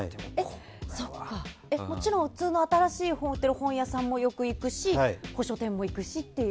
もちろん、普通の新しい本を売っている本屋さんもよく行くし古書店も行くしっていう。